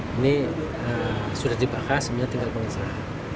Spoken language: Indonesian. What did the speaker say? ini sudah dibahas ini tinggal pengisah